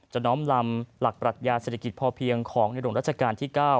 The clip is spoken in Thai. น้อมลำหลักปรัชญาเศรษฐกิจพอเพียงของในหลวงราชการที่๙